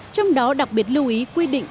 trong đó đặc biệt lưu ý quy định